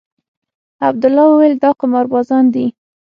عبدالله وويل دا قمار بازان دي.